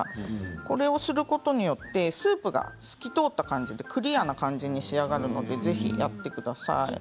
これをすることによってスープが透き通った感じでクリアな感じで仕上がるのでぜひやってください。